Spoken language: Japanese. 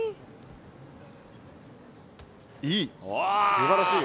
すばらしい。